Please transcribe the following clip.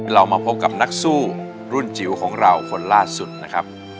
เรามาพบกับนักสู้รุ่นจิ๋วของเราคนล่าสุดนะครับ